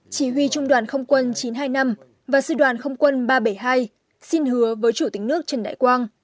chỉ huy trung đoàn không quân chín trăm hai mươi năm và sư đoàn không quân ba trăm bảy mươi hai xin hứa với chủ tịch nước trần đại quang